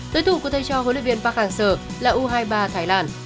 đối thủ của thay cho huấn luyện viên park hang seo là u hai mươi ba thái lan